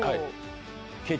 ケチ。